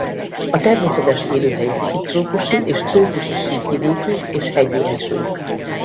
A természetes élőhelye szubtrópusi és trópusi síkvidéki és hegyi erdők.